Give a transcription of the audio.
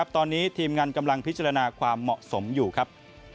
ตอนนี้ทีมงานกำลังพิจารณาความเหมาะสมอยู่ครับ